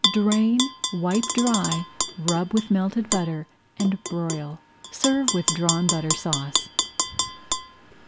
Drain, wipe dry, rub with melted butter, and broil. Serve with Drawn Butter Sauce.